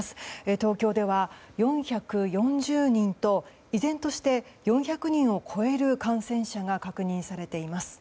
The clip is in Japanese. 東京では４４０人と依然として４００人を超える感染者が確認されています。